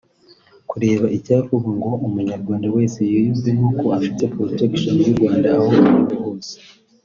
Kureba icyakorwa ngo umunyarwanda wese yiyumvemo ko afite protection y’u Rwanda aho ari hose